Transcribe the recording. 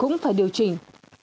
cũng phải điều chỉnh